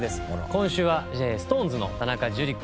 今週はＳｉｘＴＯＮＥＳの田中樹君演じる